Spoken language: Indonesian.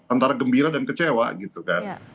antara gembira dan kecewa gitu kan